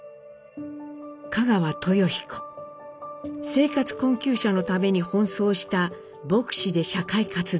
生活困窮者のために奔走した牧師で社会活動家。